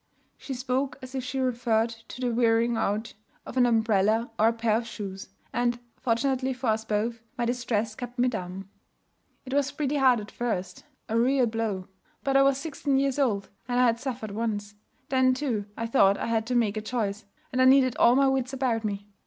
She spoke as if she referred to the wearing out of an umbrella or a pair of shoes; and, fortunately for us both, my distress kept me dumb. 'It was pretty hard at first a real blow. But I was sixteen years old, and I had suffered once. Then, too, I thought I had to make a choice, and I needed all my wits about me.